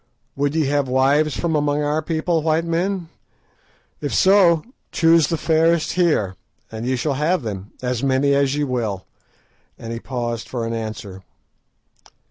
Would ye have wives from among our people, white men? If so, choose the fairest here, and ye shall have them, as many as ye will," and he paused for an answer.